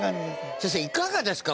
先生いかがですか？